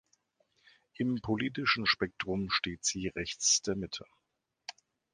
Im politischen Spektrum steht sie rechts der Mitte.